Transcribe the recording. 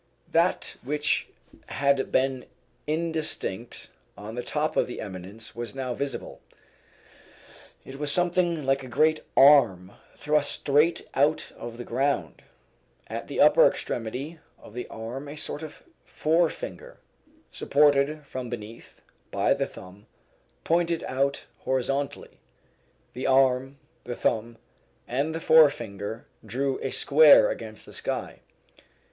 That which had been indistinct on the top of the eminence was now visible. It was something like a great arm thrust straight out of the ground; at the upper extremity of the arm a sort of forefinger, supported from beneath, by the thumb, pointed out horizontally; the arm, the thumb, and the forefinger drew a square against the sky.